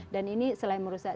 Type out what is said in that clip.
dan ini selain merusak